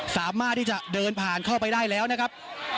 สามารถที่จะเดินผ่านเข้าไปได้แล้วนะครับ